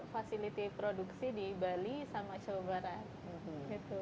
fasilitas produksi di bali sama jawa barat